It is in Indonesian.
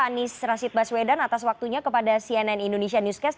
anies rashid baswedan atas waktunya kepada cnn indonesia newscast